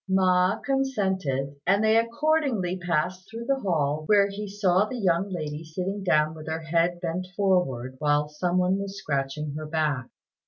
Ma consented, and they accordingly passed through the hall, where he saw the young lady sitting down with her head bent forward while some one was scratching her back.